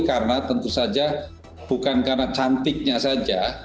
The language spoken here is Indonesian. karena tentu saja bukan karena cantiknya saja